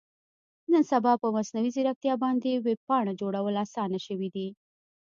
نن سبا په مصنوي ځیرکتیا باندې ویب پاڼه جوړول اسانه شوي دي.